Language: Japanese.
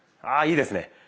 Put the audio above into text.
あいいですね。